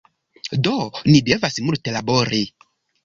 Do ni devas multe labori